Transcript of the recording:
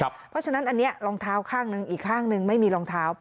เพราะฉะนั้นอันนี้รองเท้าข้างนึงอีกข้างหนึ่งไม่มีรองเท้า